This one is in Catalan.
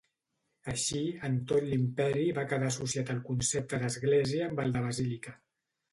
Així, en tot l'Imperi va quedar associat el concepte d'església amb el de basílica.